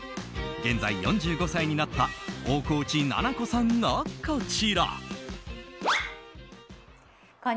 現在４５歳になった大河内奈々子さんが、こちら。